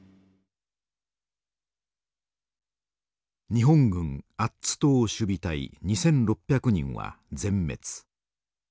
日本軍アッツ島守備隊２，６００人は全滅。